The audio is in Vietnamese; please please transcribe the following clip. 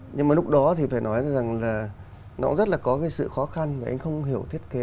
nhưng mà lúc đó thì phải nói rằng là nó rất là có cái sự khó khăn và anh không hiểu thiết kế